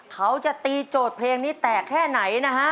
เขาจะตีโจทย์เพลงนี้แตกแค่ไหนนะฮะ